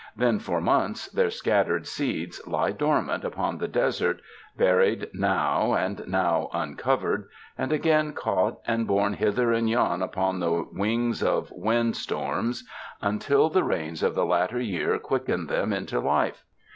Then for months their scat tered seeds lie dormant upon the desert, buried now and now uncovered, and again caught and borne hither and yon upon the wings of wind storms, un 41 UNDER THE SKY IN CALIFOBNIA til the rains of the latter year quicken them into life.